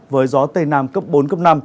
với gió tây nam cấp bốn cấp năm